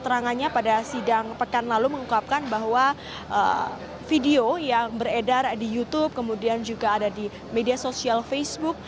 keterangannya pada sidang pekan lalu mengungkapkan bahwa video yang beredar di youtube kemudian juga ada di media sosial facebook